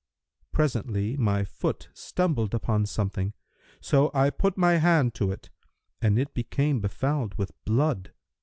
Presently, my foot stumbled upon something; so I put my hand to it, and it became befouled with blood.